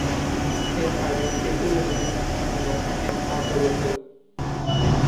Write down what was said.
His identity remains unknown, and controversial.